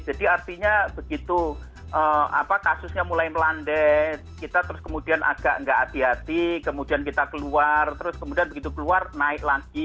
jadi artinya begitu kasusnya mulai melande kita terus kemudian agak nggak hati hati kemudian kita keluar terus kemudian begitu keluar naik lagi